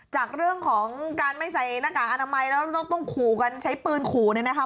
จากเรื่องของการไม่ใส่หน้ากากอนามัยแล้วต้องขู่กันใช้ปืนขู่เนี่ยนะคะ